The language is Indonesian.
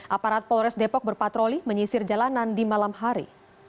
aparat polres depok berpatroli menyisir jalanan di malam hari